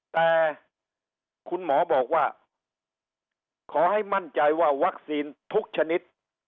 แต่คุณหมอบอกว่าขอให้มั่นใจว่าวัคซีนทุกชนิด